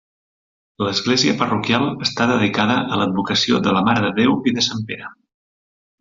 L'església parroquial està dedicada a l'advocació de la Mare de Déu i de sant Pere.